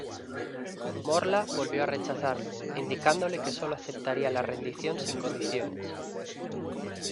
Morla volvió a rechazarlo, indicándole que sólo aceptaría la rendición sin condiciones.